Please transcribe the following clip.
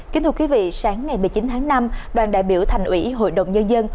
kính thưa quý vị sáng ngày một mươi chín tháng năm đoàn đại biểu thành ủy hội đồng nhân dân